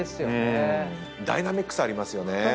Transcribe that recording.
ダイナミックさありますよね。